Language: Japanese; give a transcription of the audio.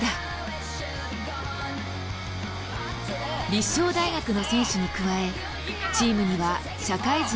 立正大学の選手に加えチームには社会人が１２人。